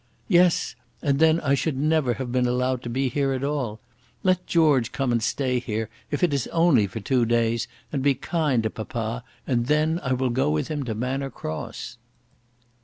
"Yes; and then I should never have been allowed to be here at all. Let George come and stay here, if it is only for two days, and be kind to papa, and then I will go with him to Manor Cross."